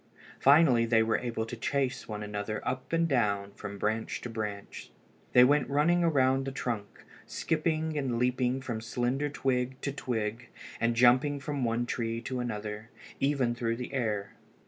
Finally they were able to chase one another up and down, from branch to branch. They went running around the trunks, skipping and leaping from slender twig to twig, and jumping from one tree to another, even through the air.